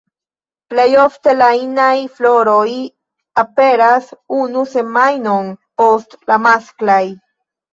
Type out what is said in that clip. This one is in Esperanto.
Plej ofte la inaj floroj aperas unu semajnon post la masklaj.